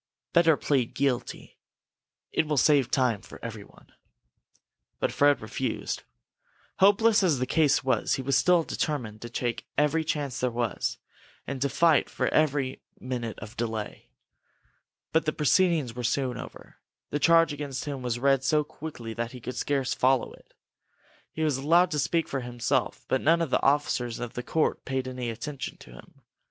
Better plead guilty. It will save time for everyone." But Fred refused. Hopeless as the case was, he was still determined to take every chance there was, and to fight for every minute of delay. But the proceedings were soon over. The charge against him was read so quickly that he could scarcely follow it. He was allowed to speak for himself, but none of the officers of the court paid any attention to him.